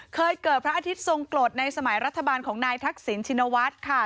เคยเกิดพระอาทิตย์ทรงกรดในสมัยรัฐบาลของนายทักษิณชินวัฒน์ค่ะ